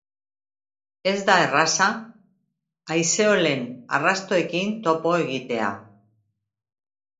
Ez da erraza haizeolen arrastoekin topo egitea,